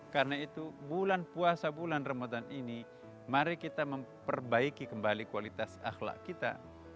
karena itu bulan puasa bulan remodan ini mari kita memperbaiki kembali kualitas akhlak kita